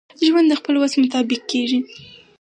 ژوند دخپل وس مطابق کیږي.